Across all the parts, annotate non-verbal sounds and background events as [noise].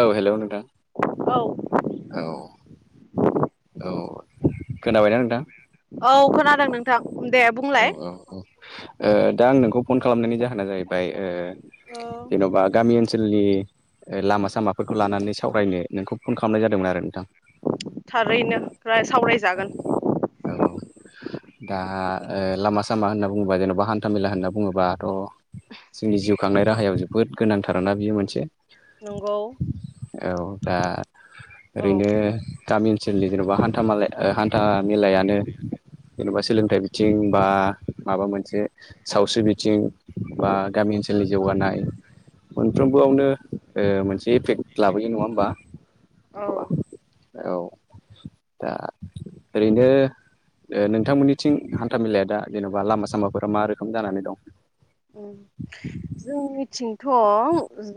औ हेलौ नोंथां औ औ औ खोनाबायना नोंथां औ खोनादों नोंथां दे औ बुंलाय औ औ दा आं नोंखौ फन खालामनायनि जाहोना जाहैबाय औ जेन'बा गामि ओनसोलनि लामा सामाफोरखौ लानानै सावरायनो नोंखौ फन खालामनाय जादोंमोन आरो नोंथां थारैनो औ सावरायजागोन औ औ दा लामा सामा होनना बुङोबा जेन'बा हान्थामेला होनना बुङोबाथ' जोंनि जिउ खांनाय औ राहायाव जोबोद गोनांथार ना बियो मोनसे नंगौ औ दा औ ओरैनो गामि ओनसोलनि जेन'बा हान्था मेला हान्था मेलायानो जेन'बा सोलोंथाइ बिथिं बा माबा मोनसे सावस्रि बिथिं बा गामि ओनसोलनि जौगानाय साफ्रोमबोआवनो मोनसे इफेक्ट लाबोयो नङा होमबा औ औ दा ओरैनो नोंथांमोननिथिं हान्थाामेलाया दा जेनेबा लामा सामाफोरा मा रोखोम जानानै दं उम जोंनिथिंथ'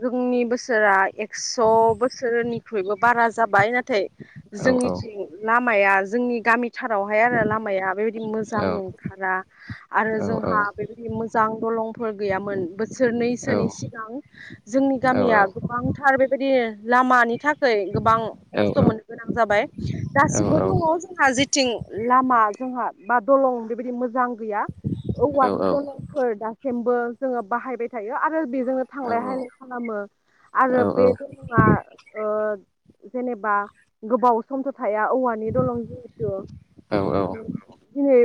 जोंनि बोसोरा एक्स' बोसोरनिख्रुइबो बारा जाबाय नाथाय औ औ जोंनिथिं लामाया जोंनि गामिथारावहाय आरो लामाया बेबायदि मोजां औ नंथारा आरो औ औ जोंहा औ बेबायदि मोजां दलंफोर गैयामोन बोसोरनैसोनि सिगां जोंनि औ गामिया गोबांथार बे बेबायदि लामानि थाखाय गोबां औ खस्थ' औ मोननो गोनां जाबाय नंगौ दासिमबो दङ जोंहा जेथिं लामा जोंहा बा दलं बेबायदि मोजां गैया औवानि दलंफोर दासिमबो जोङो बाहायबाय थायो आरो बेजोंनो थांलाय हायलाय खालामो आरो बे दलंआ जेनेबा गोबाव समथ' थाया औवानि दलं जिहेथु दिनै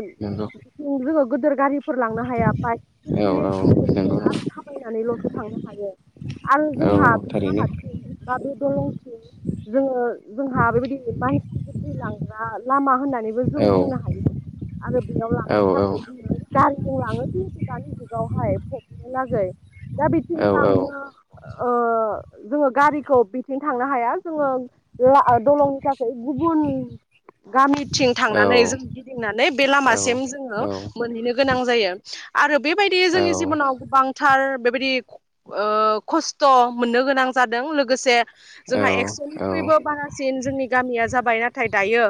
जोङो गिदोर गारिफोर लांनो हाया बाइक औ औ नोंगौ साइकेलफोर नोंथां आरो थाबायनानैल'सो थांनो हायो आरो जोंहा थारैनो [unintelligible] बे दलंथिं जोङो जोंहा बेबायदि माइसि थैलांग्रा लामा होननानै औ जों बुंनो हायो आरो बेयाव औ लांनो थाखाय जोङो गारिजों लाङो जिहेथु दानि जुग बेावहाय फबनो लागै दा बिथिं औ लांनो ओ जोङो गारिखौ बिथिं थांनो हाया जोङो दलंनि थाखाय गुबुन गामिथिं औ थांनानै औ जों गिदिंनानै बे लामासिम जोङो मोनहैनो गोनां जायो आरो बेबायदि जोंनि जिबनाव गोबांथार बे बिदि ओ खस्थ' मोननो गोनां जादों लोगोसे जोंहा एक्स'निख्रुइबो बारासिन जोंनि गामिया जाबाय नाथाय दायो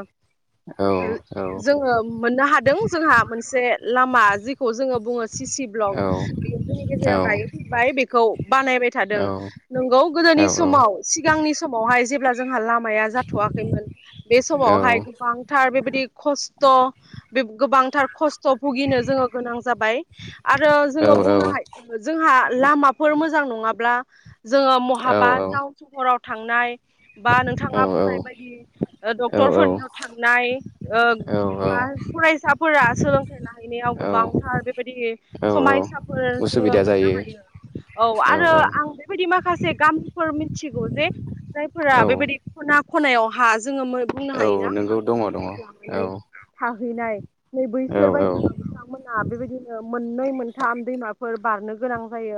जोङो मोननो हादों जोंहा मोनसे लामा जेखौ जोङो सि सि ब्लक बियो जोंनि गेजेराव दायो फैबाय बेखौ बानायबाय थादों नंगौ गोदो नि समाव सिगांनि समावहाय जेब्ला जोंहा लामाया जाथ'वाखैमोन बे समावहाय उसुबिदा गोबां गोबांथार बेबायदि खस्थ' गोबांथार खस्थ' भुगिनो जोङो गोनां जाबाय आरो जोङो बुंनो हायो जोंहा लामाफोर मोजां नङाब्ला जोङो महाबा टाउन सहराव थांनाय बा नोंथाङा बुंनाय बायदि डक्टरफोरनियाव थांनाय ओ बा फरायसाफोरा सोलोंथाइ लाहैनायाव गोबांथार बे बेबायदि समायसाफोर जोङो मोननो जायो हायो औ आरो आं बेबायदि माखासे गामि मिथिगौ जे जायफोरा औ बेबायदि खना खनायाव हा जोङो बुंनो औ हायोना नोंगौ दङ दङ हागोदानफोर औ लानानै थाहैनाय नै औ बैसोर बायदियाव बिथांमोना बेबायदि मोननै मोनथाम दैमाफोर बारनो गोनां जायो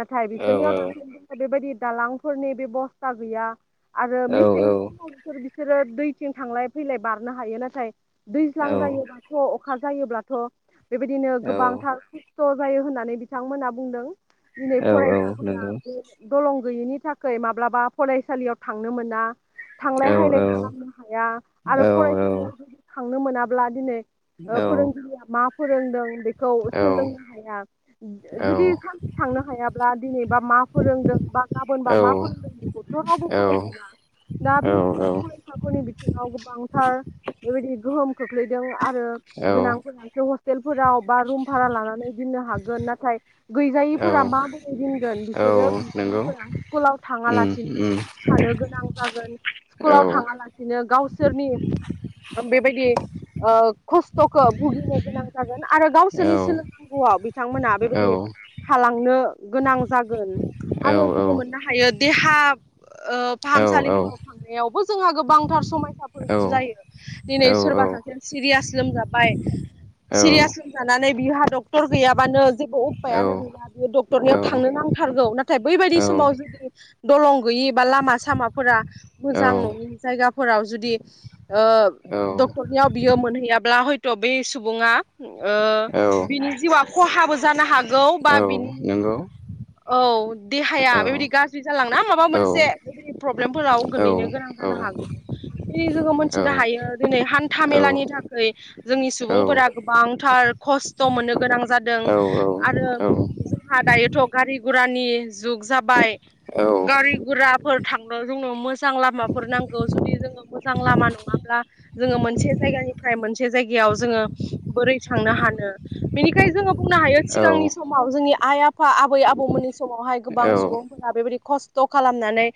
नाथाय औ बिसोरनियाव दासिम बेबायदि दालांफोरनि बेबस्था गैया आरो मेसेंनि समावफोराव बिसोर बिसोरो दैथिं थांलाय फैलाय बारनो हायो नाथाय दैज्लां जायोबाथ अखा जायोब्लाथ' बेबायदिनो औ गोबांथार खस्थ' जायो होननानै बिथांमोना बुंदों दिनै औ औ फरायसाफोरा नंगौ बे दलं गैयिनि थाखाय माब्लाबा फरायसालियाव थांनो मोना थांलाय औ हायलाय औ खालामनो हाया आरो औ औ फरायसालियाव जुदि थांनो मोनाब्ला दिनै ओ फोरोंगिरिया मा फोरोंदों बे सोलोंनो हाया जुदि औ सानसे थांनो हायाब्ला दिनैबा मा फोरोंदों गाबोनबा मा फोरोंदों बेखौथ' रावबो फोरोंफिना दा औ बेबायदि औ फरायसाफोरनि बिथिङाव गोबांथार बेबायदि गोहोम खो खख्लैदों आरो औ गोनांफोरासो हस्टेलफोराव बा रुमभारा लानानै दोननो हागोन नाथाय औ गैजायिफोरा मा बोरै दोनगोन औ बिसोरो नंगौ गैजायिफोरा स्कुलाव उम थाङालासिनो उम थानो गोनां जागोन औ स्कुलाव थाङालासिनो गावस सोरनि बेबायदि ओ खस्थ'खौ भुगिनो गोनां जागोन आरो औ गावसोरनि सोलोंनांगौआव बिथांमोना औ बेबायदि थालांनो गोनां जागोन। औ आरो जोङो मोननो हायो देहा ओ औ फाहामसालिफोराव थांनायावबो जोंहा गोबांथार समायसाफोर औ जायो दिनै सोरबा सासे सिरियास लोमजाबाय औ। जानानै बिहा डक्टर गैयाबानो जेबो उफायानो गैला बियो डक्टरनियाव थांनो नांथारगौ नाथाय बैबायदि समाव जुदि दलं गैयि एबा लामा सामाफोरा मोजां नङि जायगाफोराव जुदि ओ डक्टरनियाव बियो मोनहैयाब्ला हयथ' बे सुबुङा ओ औ बिनि जिउआ खहाबो जानो हागो औ नंगौ। औ देहाया बेबायदि गाज्रि जालांना माबा मोनसे बेबायदि प्रब्लेमफोराव गोलैनो गोनां जानो हाग हागौ दिनै जोङो मोनथिनो हायो दिनै हान्था मेलानि थाखाय बि जोंनि सुबुंफोरा गोबांथार खस्थ' मोननो गोनां जादों आरो जोंहा दायोथ' गारि गुरानि जुग जाबाय। गारि गुराफोर थांनो जोंनो मोजां लामाफोर नांगौ जुदि जोङो मोजां लामा नङाब्ला जोङो मोनसे जायगानिफ्राय मोनसे जायगायाव जोङो बोरै थांनो हानो? बेनिखाय जोङो बुंनो हायो सिगांनि समाव जोंनि आइ आफा आब आबौमोननि समावहाय गोबां सुबुंफोरा बेबायाददि खस्थ' खालामनानै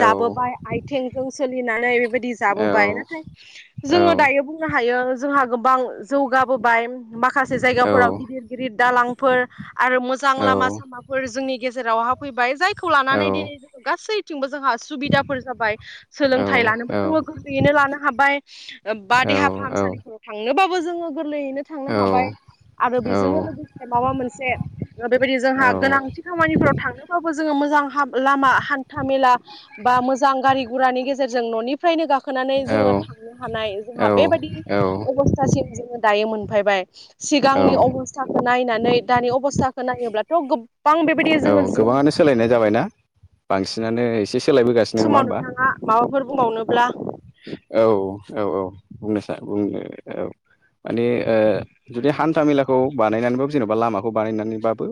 जाबोबाय आथिंजों सोलिनानै बेबायदि जाबोबाय नाथाय जोङो दायो बुं नो हायो जोंहा गोब गोबां जौगाबोबाय माखासे जायगाफोराव गिदिर गिदिर दालांफोर आरो मोजां लामा सामा फोर जोंनि गेजेरावहा फैबाय जायखौ लानानै दिनै गासैथिंबो जोंहा सुबिदाफोर जाबाय। सोलोंथाइ लानोबो जोङो गोरलैयैनो लानो हाबाय बा देहा फाहामसालिफोराव थांनोबाबो जोङो गोरलैयैनो थांनो हाबाय औ आरो औ बेजोंनो औ लोगोसे माबा मोनसे बेबायदि औ जोंहा गोनांथि खामानिफोराव थांनोबाबो जोङो मोजां लामा हान्था मेला बा मोजां गारि गुरानि गेजेरजों न'निफ्रायनो गाख खोनानै जोङो थांनो हानाय औ जोंहा बेबायादि अबस्थासिम जोङो दायो मोनफैबाय औ सिगांनि अबस्थाखौ नायनानै दानि अबस्थाखौ नायोब्लाथ' गोब औ गोबाङानो सोलायनाय जाबायना बांसिनानो एसे सोलायबोगासिनो नङा समाव होमबा नोंथाङा माबाफोर बुंबावनोब्ला औ औ औ बुंनोसान बुंनो औ। मानि ओ जुदि हान्था मेलाखौ बानायनानैबो जेनेबा लामाखौ बानायनानैबाबो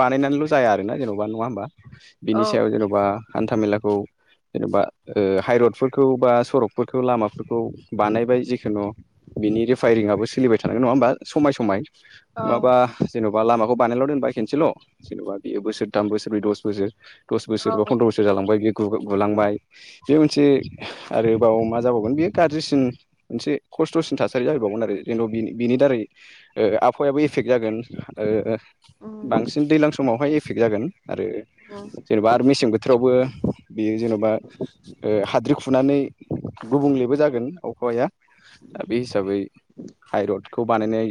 बानाय नानैल' जाया आरो ना जेनबा नङा होमबा? बिनि औ सायाव जेन'बा हान्थाामेलाखौ जेन'बा ओ हाइरडफोरखौ बा सरक फोरखौ लामाफोरखौ बानायबाय जिखुनु बिनि रिफाय‌रिं आबो सोलिबाय थानोन नङा होमबा? समाय समाय औ नङाबा जेन'बा बा लामाखौ बानायल' दोनबाय खेनसेल' जेन'बा बेयो बोसोरथाम बोसोरब्रै दस बोसोर दस बोसोर बा फन्द्र' बोसोर जालांबाय बे गुलांबाय बे मोनसे आरो गा जाबावगोन बियो गारजिसिन मोनसे खष्टसिन थासारि जाहैबावगोन आरो जेन बिनि दारै आबहावायाबो इफेक्ट जागोन ओ ओ। बांसिन दैलां समावहाय एफेक्ट जागोन आरो जेन'बा आरो मेसें बोथोरावबो बेयो जेन'बा ओ हाद्रि खुनानै गुबुंलेबो जागोन अखया दा बे हिसाबै हाइरडखौ बानायनाय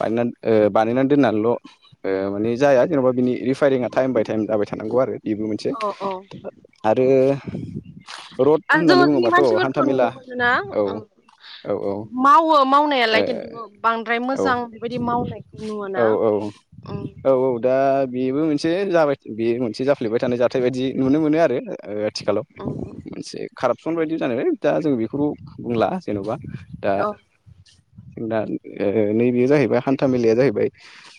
बानायनान ओ बानायनानै दोननानैल' ओ माने जाया जेन'बा बिनि रिफायरिंआ थाइम बाय थाइम जाबाय थानांगौ आरो बिबो मोनसे औ औ आरो रद आरो होननानै जोङो जोंनि बुङोबाथ हान्था मानसिफोरखौ मेला नुनो मोनो ना औ ओ औ ओ मावो मावनायालाय किन्थु बांद्राय मो औ औ औ औ औ। दा बेबो मोनसे जाबाय बे मोनसे जाफ्लेबाय थानाय जाथाय बायदि नुनो मोनो आरो ओ आथिखालाव मोनसे कारापसन बायदि जानो दा जों बेखौ बुंला जेन'बा दा-दा ओ नैबेयो जाहैबाय हान्था मेलाया जाहैबाय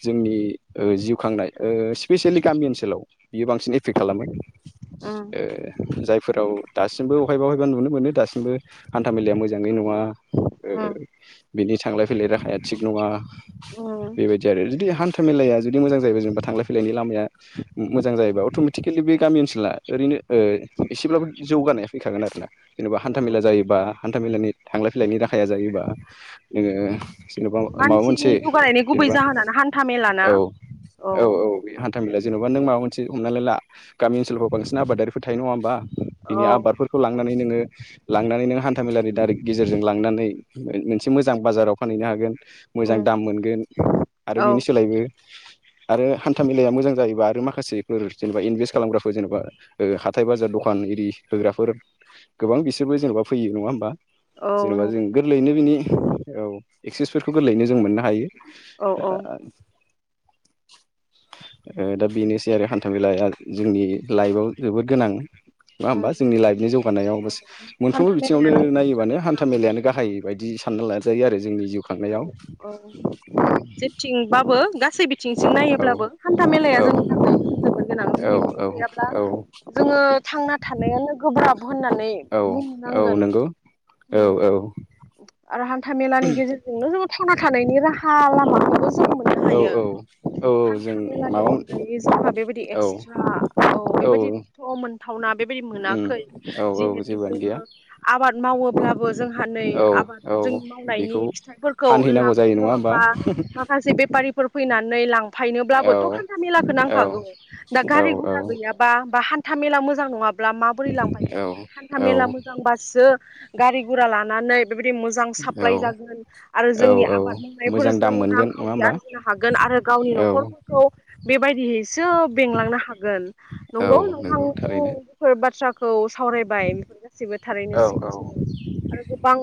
जोंनि ओ जिउ खांनाय ओ स्पेसियेलि गामि ओनसोलाव बियो बांसिन एफेक्ट खालामो। ओ जायफोराव दासिमबो अहायबा हय बा नुनो मोनो दासिमबो हान्था मेलाया मोजाङै नङा ओ [unintelligible] बिनि थांलाय फैलाय राहाया थिग नङा औ बेबायदि आरो जुदि हान्था मेलाया जुदि मोजां जायोबा जेनेबा थांलाय फैलायनि लामाया उम मोजां जायोब्ला अटमेटिकेलि बे गामि ओनसोला रैनो ओ एसेब्लाबो जौगानाया फैखागोन आरोना। जेनेबा हान्था औ मेला जायोबा हान्था मेलानि थांलाय फैलायनि राहाया जायोबा जोङो जेनेबा मा-माबा मानसिनि मोनसे जौगानायनि गुबै जेनेबा जाहोनानो हान्था मेलाना औ। औ औ बे हान्थामेला जेनेबा नों माबा मोन से हमनानै ला गामि ओनसोलफोराव बांसिन आबादारिफोर थायो नङा होमबा बिनि औ आबादफोरखौ लां नोङो लांनानै नों हान्थामेलानि दारै गेजेरजों लांनानै मोनसे मोजां बाजाराव फानहैनो हागोन। मोजां उम दाम मोनगोन आरो औ बिनि सोलायबो आरो हान्था मेलाया मोजां जायोबा आरो माखासेफोर जेनेबा इनभेस्ट खालामग्राफोर जेनेबा ओ हाथाय बाजार द'खान [unintelligible] होग्राफोर गोबां बिसोरबो जेनेबा फैयो नङा होमबा औ जेनेबा नंगौ जों गोरलैयैनो बिनि औ एक्सेसफोरखौ गोरलैयैनो जों मोननो हायो औ औ ओ ओ दा बेनोसै आरो हान्था मेलाया जोंनि लाइफआव जोबोद गोनां। नङा उम होमबा जोंनि लाइफनि जौ बानायाव बास मोनफ्रोमबो हान्था बिथिङावनो मेलायानो जोंनि नायोबानो थाखाय हान्था मेलायानो गोनां गाहाय बायदि सानना लाजायो आरो जोंनि जिउखौ। औ औ जेथिंबाबो गासै बिथिंसिम औ नायोब्लाबो हान्था मेलाया औ ज औ। गोनां औ जुदि बि गैयाब्ला औ जोङो थांना थानायानो गोब्राब होननानै औ औ बुंनांगोन नंगौ औ उम औ आरो हान था मेलानि गेजेरजोंनो जोङो थांना थानायनि राहा लामा जों मोननो औ हायो औ औ जों हान्था मेलानि माबा अनगायै जोंहा बेबायदि औ एक्सट्रा औ बेबायदिथ' मोनथावना बेबायदि उम मोनाखै औ औ जिहेथु जेबोआनो गैया जोङो आबाद मावोब्लाबो जोंहा नै औ आबाद औ जों मावनायनि बेखौ फिथ फोरखौ फानहैनांगौ जायो लांनो नङा होमबा बा माखासे बेपारिफोर फैनानै लां फायनोब्लाबोथ' औ हान्था मेला औ नांखागौ दा गारि गुरा औ गैयाब्ला बा हान्था था मेला मोजां नङाब्ला माबोरै लांफैनो हान्था औ मेला मोजांबासो गारि गुरा लानानै बेबायदि मोजां साप्लाय औ जागोन। आरो औ जोंनि औ आबाद मोजां दाम मावनायफोरजों मोनगोन नङा रांखावरि होमबा आरजिनो हागोन आरो गावनि औ न'खरफोरखौ बेबायदियैसो बेंलांनो हागोन औ नंगौ नोंथां [unintelligible] थारैनो फोर बाथ्रा खौ सावरायबाय गासिबो थारैनो औ औ सैथो आरो गोबां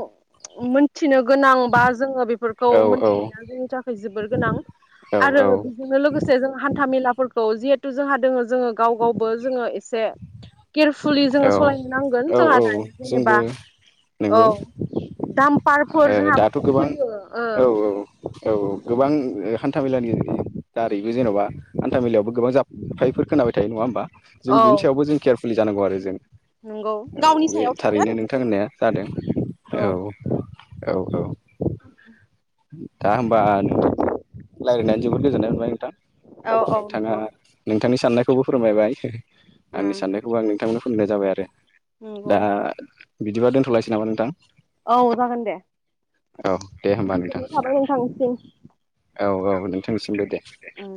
मोनथिनो गोनां बा जोङो बेफोरखौ औ औ मोनथिनाया जोंनि थाखाय जोबोर गोनां। आरो बेजोंनो लोगोसे जों हान्था मेलाफोरखौ जि तु जोंहा दोङो जोङो गाव गावबो जोङो एसे केयारफुलि औ जोङो सालायनो नांगोन औ जोंहा औ दायो जेनेबा जोंबो औ नंगौ दामफारफोर ओ जोंहा दाथ' गोबां फैयो ओ औ औ। औ गोबां हान्था मेलानि दारैबो जेन'बा हान्था मेलायावबो गोबां जाफाय खोनाबाय थायो नङा होमबा जों बिनि औ सायावबो जों केयारफुलि जानांगौ आरो जों। नंगौ गावनि औ बे सायाव थायो थारैनो आरो नोंथां होननाया बेफोरो जादों औ। औ औ। उ दा होमबा रायज्लायानो जोबोद गोजोननाय मोनबाय नोंथां। औ औ नोंथाङा नंगौ नोंथांनि साननायखौबो फोरमायबाय। आंनि उम साननायखौ आं नोंथांनो फुनो जाबाय आरो दा नंगौ बिदिबा दोनथलायसै नामा नोंथां। औ जागोन दे औ दे होमबा नोंथां गोननाय थाबाय नोंथांनिसिम। औ औ नोंथांनिसिमबो दे। उम